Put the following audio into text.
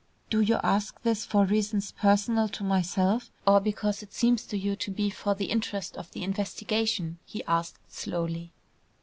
"Do you ask this for reasons personal to myself, or because it seems to you to be for the interest of the investigation?" he asked slowly.